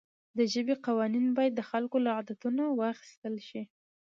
د ژبې قوانین باید د خلکو له عادتونو واخیستل شي.